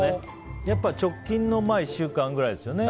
やっぱり直近の１週間くらいですよね。